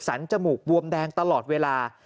จมูกบวมแดงตลอดเวลา